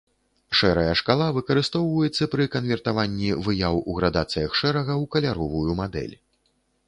Шэрая шкала выкарыстоўваецца пры канвертаванні выяў у градацыях шэрага ў каляровую мадэль.